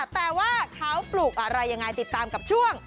แต่ว่าเขาปลูกอะไรยังไงติดตามกับช่วง